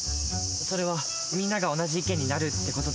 それはみんなが同じ意見になるって事とは違う。